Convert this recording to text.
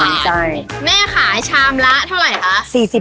ดีใจแม่ขายชามละเท่าไหร่คะ